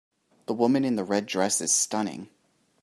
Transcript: The woman in the red dress is stunning.